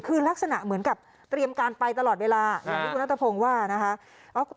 คือลักษณะเหมือนกับเตรียมการไปตลอดเวลาอย่างที่คุณนัทพงศ์ว่านะคะ